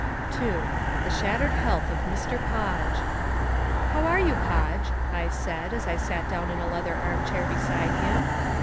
2. The Shattered Health of Mr. Podge "How are you, Podge?" I said, as I sat down in a leather armchair beside him.